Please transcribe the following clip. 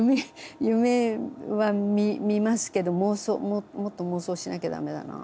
夢はみますけど妄想もっと妄想しなきゃ駄目だな。